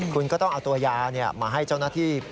คุณก็ต้องเอาตัวยามาให้เจ้าหน้าที่